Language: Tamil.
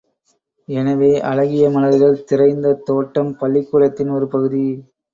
எனவே, அழகிய மலர்கள் திறைந்த தோட்டம் பள்ளிக்கூடத்தின் ஒரு பகுதி.